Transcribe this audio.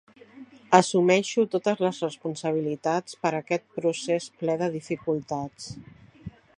Assumeixo totes les responsabilitats per aquest procés ple de dificultats.